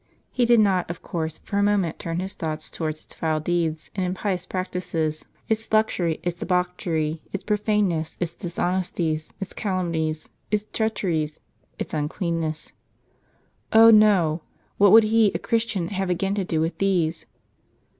He did not, of course, for a moment turn his thoughts towards its foul deeds and impious practices, its luxury, its debauchery, its profaneness, its dishonesties, its calumnies, its treacheries, its uncleannesses. Oh, no! what would he, a Christian, have again to do with these